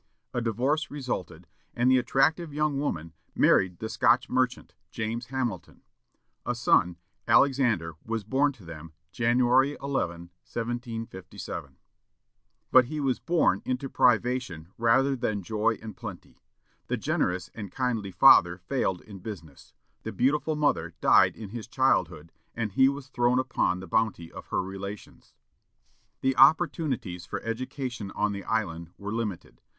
A divorce resulted, and the attractive young woman married the Scotch merchant, James Hamilton. A son, Alexander, was born to them, January 11, 1757. But he was born into privation rather than joy and plenty. The generous and kindly father failed in business; the beautiful mother died in his childhood, and he was thrown upon the bounty of her relations. The opportunities for education on the island were limited.